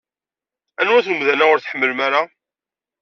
Anwa-t umdan-a ur tḥemmlem ara?